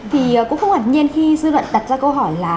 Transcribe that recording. thì cũng không ngạt nhiên khi dư luận đặt ra câu hỏi là